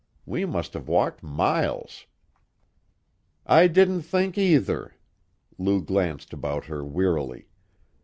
We must have walked miles!" "I didn't think, either." Lou glanced about her wearily.